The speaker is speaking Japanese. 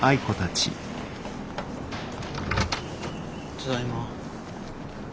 ただいま。